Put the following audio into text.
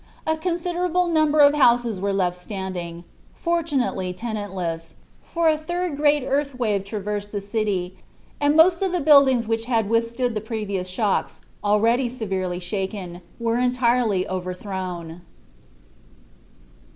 A considerable number of houses were left standing fortunately tenantless for a third great earth wave traversed the city, and most of the buildings which had withstood the previous shocks, already severely shaken, were entirely overthrown.